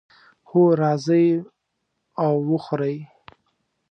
هو، راځئ او وخورئ